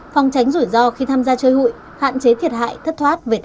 phòng tránh rủi ro khi tham gia chơi hụi hạn chế thiệt hại thất thoát về tài sản